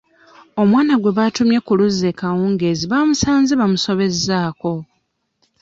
Omwana gwe baatumye ku luzzi ekawungeezi baamusanze bamusobezaako.